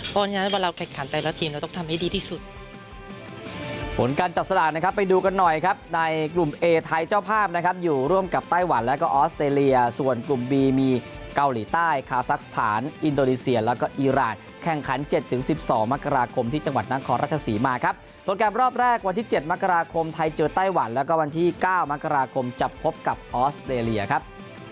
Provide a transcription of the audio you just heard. เพราะฉะนั้นวันเราแข่งขันแต่ละทีมเราต้องทำให้ดีที่สุด